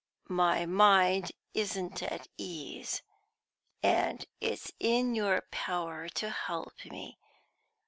"My mind isn't at ease, and it's in your power to help me.